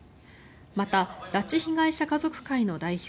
また、拉致被害者家族会の代表